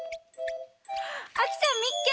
あきちゃんみっけ！